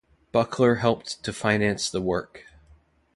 Buckler helped to finance the work.